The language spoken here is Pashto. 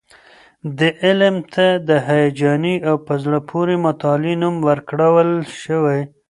دې علم ته د هیجاني او په زړه پورې مطالعې نوم ورکړل شوی.